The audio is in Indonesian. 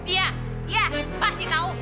iya iya pasti tau